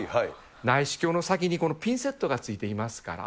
内視鏡の先にこのピンセットがついていますから。